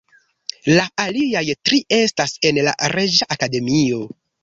La aliaj tri estas en la Reĝa Akademio.